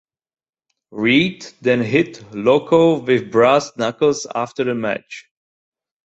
Reed then hit Loco with brass knuckles after the match.